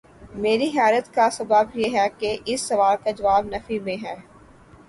میری حیرت کا سبب یہ ہے کہ اس سوال کا جواب نفی میں ہے۔